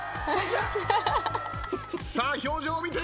さあ表情を見て。